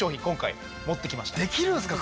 できるんすか？